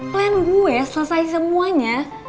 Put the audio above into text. plan gue selesai semuanya